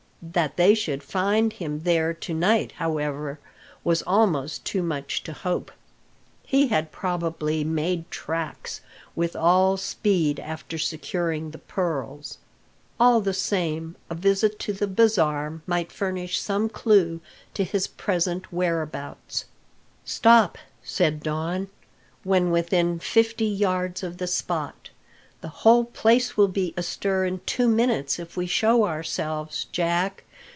That they should find him there to night, however, was almost too much to hope. He had probably "made tracks" with all speed after securing the pearls. All the same, a visit to the bazaar might furnish some clue to his present whereabouts. "Stop!" said Don, when within fifty yards of the spot. "The whole place will be astir in two minutes if we show ourselves, Jack.